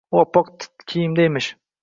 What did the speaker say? U oppoq kiyimda emish